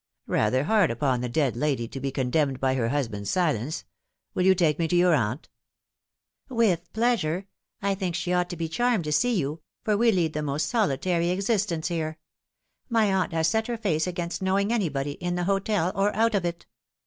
" Rather hard upon the dead lady to be condemned by her husband's silence. Will you take me to your aunt ?"" With pleasure. I think she ought to be charmed to see you, for we lead the most solitary existence here. My aunt has set hec face against knowing anybody, in the hotel or out of it.